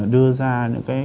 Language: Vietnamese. đưa ra những cái